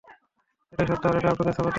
এটাই সত্য আর এটাই আপনাদের ছাপাতে হবে।